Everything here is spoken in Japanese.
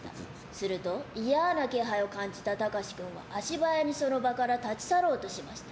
すると嫌な気配を感じたタカシ君足早にその場から立ち去ろうとしました。